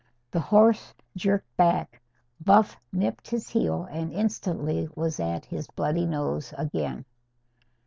The horse jerked back. Buff nipped his heel, and instantly was at his bloody nose, again.